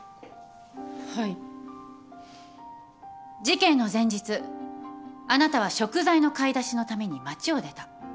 事件の前日あなたは食材の買い出しのために町を出た。